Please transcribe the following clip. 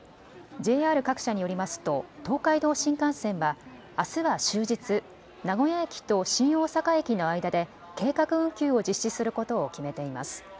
ＪＲ各社によりますと東海道新幹線はあすは終日名古屋駅と新大阪駅の間で計画運休を実施することを決めています。